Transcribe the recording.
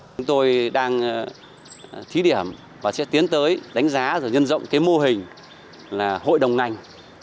chúng tôi đang thí điểm và sẽ tiến tới đánh giá và nhân rộng cái mô hình là hội đồng ngành